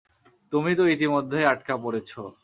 তুমি তো ইতিমধ্যেই আটকা পড়েছো।